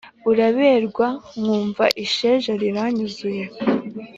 uraberwa nkumva isheja riranyuzuye